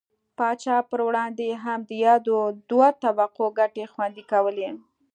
پاچا پر وړاندې یې هم د یادو دوو طبقو ګټې خوندي کولې.